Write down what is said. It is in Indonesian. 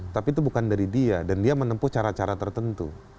tapi itu bukan dari dia dan dia menempuh cara cara tertentu